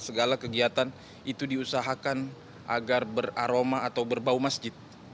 segala kegiatan itu diusahakan agar beraroma atau berbau masjid